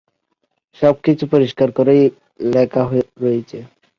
সবকিছু পরিষ্কার করে লেখাই রয়েছে!